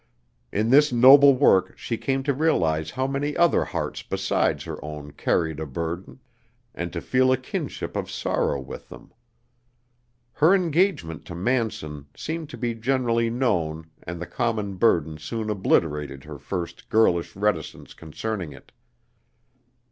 In this noble work she came to realize how many other hearts besides her own carried a burden, and to feel a kinship of sorrow with them. Her engagement to Manson seemed to be generally known and the common burden soon obliterated her first girlish reticence concerning it.